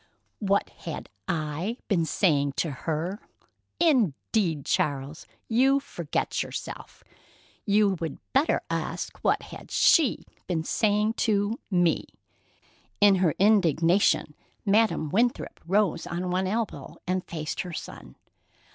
"What had I been saying to her? Indeed, Charles, you forget yourself! You would better ask what had she been saying to me." In her indignation, Madam Winthrop rose on one elbow and faced her son.